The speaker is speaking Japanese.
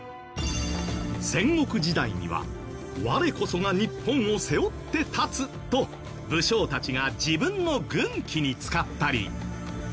戦国時代には「我こそが日本を背負って立つ！」と武将たちが自分の軍旗に使ったり。